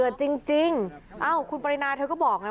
ออกจากราชการแน่